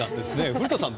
古田さん